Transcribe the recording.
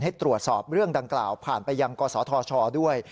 ให้ตรวจสอบเรื่องดังกล่าวผ่านไปยังกศธชด้วย